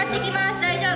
大丈夫。